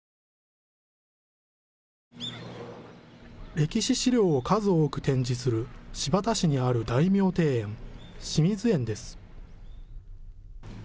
歴史資料を数多く展示する新発田市にある大名庭園、清水園です。